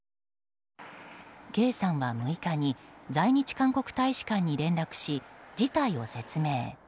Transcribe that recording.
Ｋさんは６日に在日韓国大使館に連絡し、事態を説明。